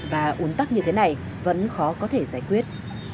và un tắc như thế này vẫn khó có thể giải quyết